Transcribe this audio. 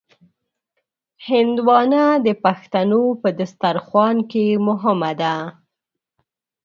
هندوانه د پښتنو په دسترخوان کې مهمه ده.